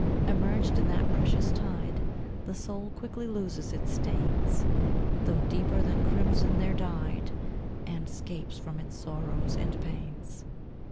Immerged in that precious tide, The soul quickly loses its stains, Though deeper than crimson they're dyed, And 'scapes from its sorrows and pains.